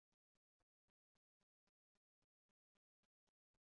Li estis sepultita en Glasgovo.